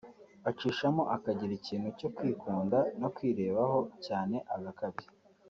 Acishamo akagira ikintu cyo kwikunda no kwirebaho cyane agakabya